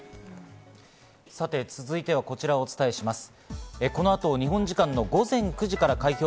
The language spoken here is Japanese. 続いてはこちらをお伝えします。